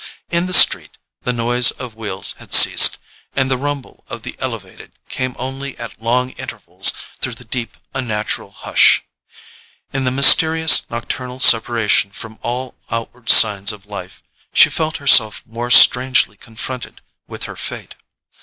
In the street the noise of wheels had ceased, and the rumble of the "elevated" came only at long intervals through the deep unnatural hush. In the mysterious nocturnal separation from all outward signs of life, she felt herself more strangely confronted with her fate.